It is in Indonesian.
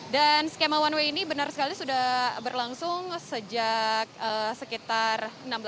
dan skema one way ini benar sekali sudah berlangsung sejak sekitar enam belas lima belas